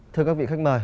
thưa các vị khách mời